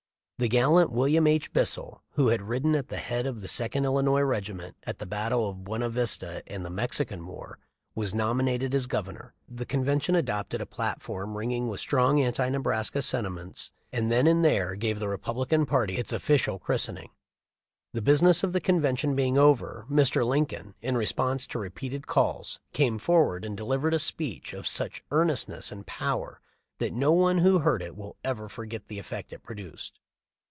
The gallant William H. Bissell, who had ridden at the head of the Second Illinois Regiment at the battle of Buena Vista in the Mexican war, was nominated as gov ernor. The convention adopted a platform ringing with strong anti Nebraska sentiments, and then and 384 THE LIFE OF LINCOLN. there gave the Republican party its official christ ening. The business of the convention being over, Mr. Lincoln, in response to repeated calls, came forward and delivered a speech of such earnest ness and power that no one who heard it will ever forget the effect it produced.